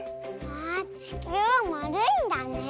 わあちきゅうはまるいんだね。